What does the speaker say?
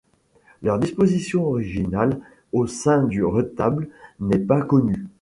Leur disposition originale au sein du retable n'est pas connue.